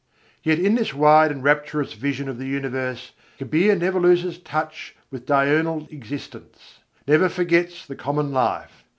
Yet in this wide and rapturous vision of the universe Kabîr never loses touch with diurnal existence, never forgets the common life.